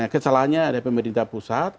kesalahannya ada pemerintah pusat